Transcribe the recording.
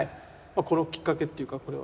このきっかけっていうかこれは？